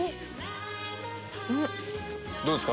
どうですか？